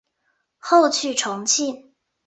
后去重庆。